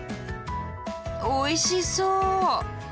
おいしそう！